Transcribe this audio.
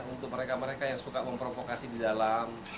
untuk mereka mereka yang suka memprovokasi di dalam